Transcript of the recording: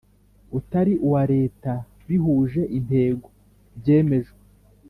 Utari uwa leta bihuje intego byemejwe